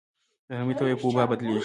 د نا ارامۍ تبه یې په وبا بدلېږي.